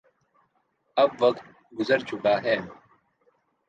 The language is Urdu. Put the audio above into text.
اب وقت گزر چکا ہے۔